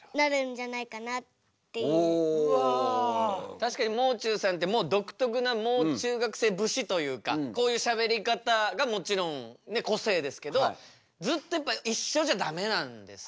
確かにもう中さんってもう独特なもう中学生節というかこういうしゃべり方がもちろん個性ですけどずっとやっぱ一緒じゃダメなんですね。